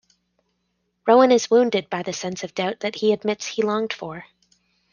Rowan is wounded by the sense of doubt that he admits he longed for.